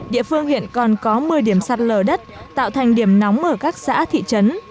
địa phương hiện còn có một mươi điểm sạt lở đất tạo thành điểm nóng ở các xã thị trấn